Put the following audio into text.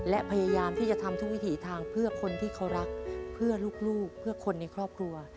และพยายามที่จะทำทุกวิถีทางเพื่อคนที่เขารักเพื่อลูกเพื่อคนในครอบครัว